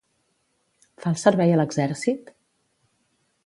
Fa el servei a l'exèrcit?